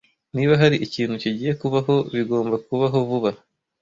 Niba hari ikintu kigiye kubaho, bigomba kubaho vuba.